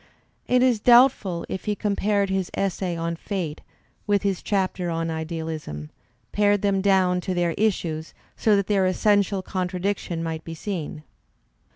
It is doubtful if he compared his essay on "Fate" with his chapter on "Idealism," pared them down to their issues so that their essential contradiction might be seen.